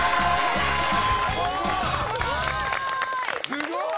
すごい！